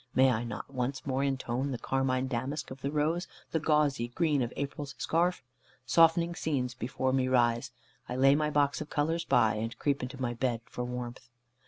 May I not once more intone the carmine damask of the rose, the gauzy green of April's scarf? Softening scenes before me rise. I lay my box of colours by, and creep into my bed for warmth.